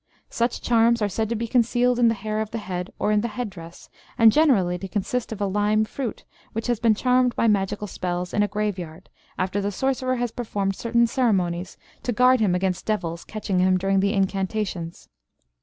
Such charms are said to be concealed in the hair of the head or in the headdress, and generally to consist of a lime fruit, which has been charmed by magical spells in a graveyard, after the sorcerer has performed certain ceremonies to guard him against devils catching him during the incantations.